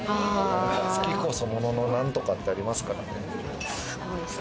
好きこそものの何とかってありますからね。